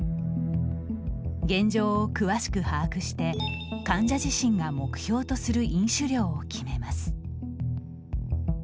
現状を詳しく把握して患者自身が目標とする飲酒量を決めます。